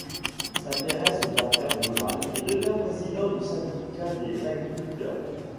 Il s'intéresse aux affaires rurales et devient président du syndicat des agriculteurs.